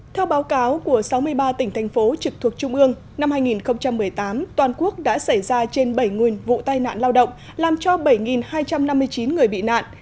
theo báo cáo của sáu mươi ba tỉnh thành phố trực thuộc trung ương năm hai nghìn một mươi tám toàn quốc đã xảy ra trên bảy nguyên vụ tai nạn lao động làm cho bảy hai trăm năm mươi chín người bị nạn